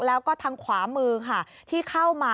แล้วก็ทางขวามือค่ะที่เข้ามา